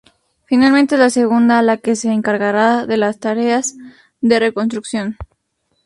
Finalmente es la segunda la que se encargará de la tareas de reconstrucción.